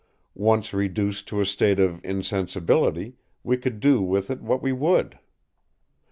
Once reduced to a state of insensibility, we could do with it what we would.